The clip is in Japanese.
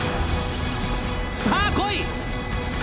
さあ、こい！